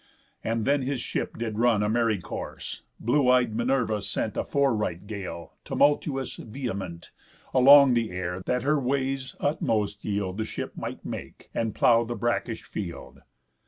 And then his ship did run A merry course; blue eyed Minerva sent A fore right gale, tumultuous, vehement, Along the air, that her way's utmost yield The ship might make, and plough the brackish field.